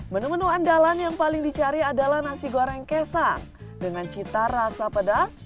menu menu andalan yang paling dicari adalah nasi goreng kesang dengan cita rasa pedas